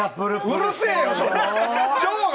うるせえよ、省吾！